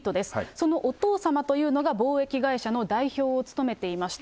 そのお父様というのが、貿易会社の代表を務めていました。